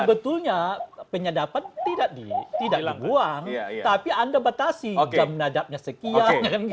sebetulnya penyadapan tidak dibuang tapi anda batasi jam nadapnya sekian